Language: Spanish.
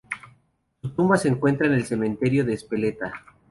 Su tumba se encuentra en el cementerio de Ezpeleta.